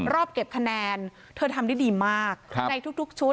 รอบเก็บคะแนนเธอทำได้ดีมากครับในทุกทุกชุด